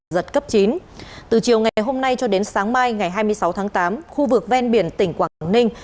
giật cấp chín từ chiều ngày hôm nay cho đến sáng mai ngày hai mươi sáu tháng tám khu vực ven biển tỉnh quảng ninh